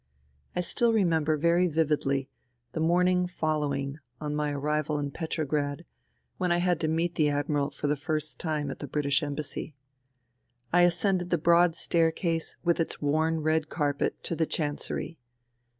I still remember very vividly the morning following on my arrival in Petrograd, when I had to meet the Admiral for the first time at the British Embassy. I ascended the broad staircase with its worn red carpet to the Chancery.